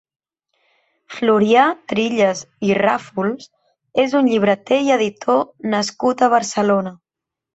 Florià Trillas i Ràfols és un «Llibreter i editor» nascut a Barcelona.